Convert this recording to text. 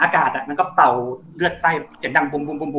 ครับ